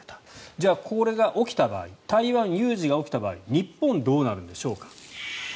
じゃあこれが起きた場合台湾有事が起きた場合日本、どうなるんでしょうか。